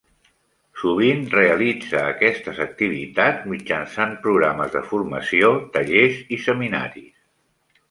Sovint realitza aquestes activitats mitjançant programes de formació, tallers i seminaris.